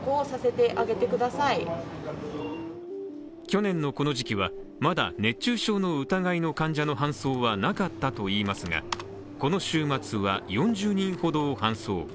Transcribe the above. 去年のこの時期はまだ熱中症の疑いの患者の搬送はなかったといいますがこの週末は４０人ほどを搬送。